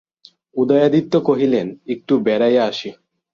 উদয়াদিত্য কহিলেন, একটু বেড়াইয়া আসি।